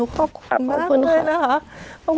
ขอบคุณมากเลยนะคะ